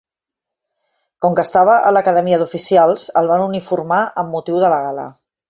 Com que estava a l'acadèmia d'oficials, el van uniformar amb motiu de la gala.